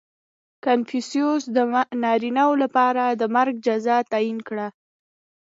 • کنفوسیوس د نارینهوو لپاره د مرګ جزا تعیین کړه.